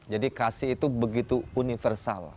jadi kasih itu begitu universal